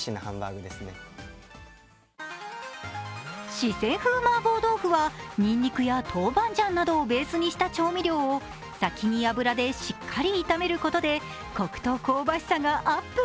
四川風麻婆豆腐はにんにくや豆板醤などをベースにした調味料を先に油でしっかり炒めることでこくと香ばしさがアップ。